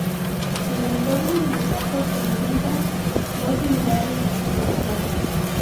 El entorno inmediato presenta dos unidades distintivas.